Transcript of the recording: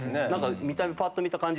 ぱっと見た感じ